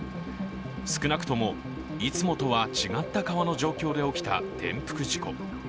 少なくとも、いつもとは違った川の状況で起きた転覆事故。